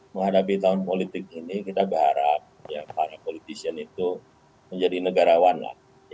menghadapi tahun politik ini kita berharap para politisian itu menjadi negarawan lah